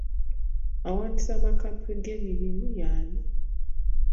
Awandiisa amakampuni g'emirimu y'ani?